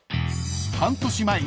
［半年前に］